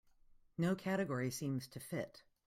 No category seems to fit.